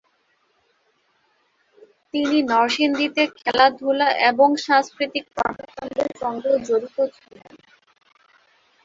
তিনি নরসিংদীতে খেলাধুলা এবং সাংস্কৃতিক কর্মকান্ডের সঙ্গেও জড়িত ছিলেন।